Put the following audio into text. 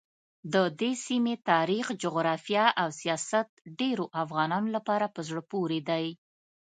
ددې سیمې تاریخ، جغرافیه او سیاست ډېرو افغانانو لپاره په زړه پورې دي.